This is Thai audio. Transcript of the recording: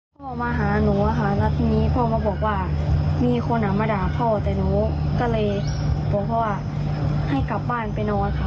พ่อมาหาหนูอะค่ะแล้วทีนี้พ่อก็บอกว่ามีคนมาด่าพ่อแต่หนูก็เลยบอกพ่อว่าให้กลับบ้านไปนอนค่ะ